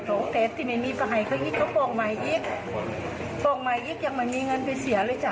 พอเต็ดที่มีผ่านให้ก็ป้องใหม่อีกป้องใหม่อีกยังไม่มีเงินไปเสียเลยจ้ะ